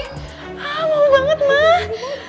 haa mau banget mah